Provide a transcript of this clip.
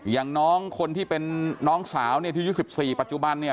อย่างน้องคนที่เป็นน้องสาวที่๒๔ปัจจุบันเนี่ย